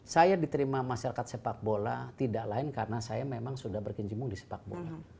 saya diterima masyarakat sepak bola tidak lain karena saya memang sudah berkinjimung di sepak bola